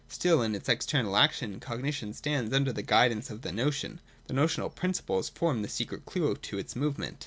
Still in its external action cognition stands under the guidance of the notion, and notional principles form the secret clue to its movement.